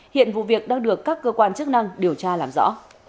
hiện vụ việc đang được các cơ quan chức năng điều tra làm rõ